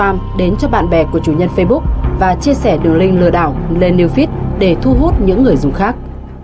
các bạn có thể gửi link spam đến cho bạn bè của chủ nhân facebook và chia sẻ đường link lừa đảo lên neofit để thu hút những người dùng khác